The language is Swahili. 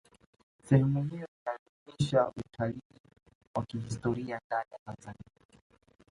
sehemu hiyo inadumisha utalii wa kihistoria ndani ya tanzania